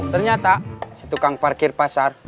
ternyata si tukang parkir pasar